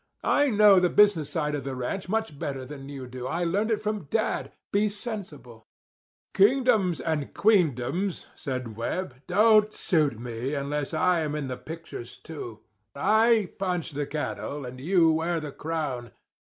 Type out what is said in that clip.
I know the business side of the ranch much better than you do. I learned it from Dad. Be sensible." "Kingdoms and queendoms," said Webb, "don't suit me unless I am in the pictures, too. I punch the cattle and you wear the crown.